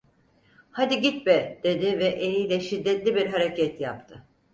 "Hadi git be!" dedi ve eliyle şiddetli bir hareket yaptı.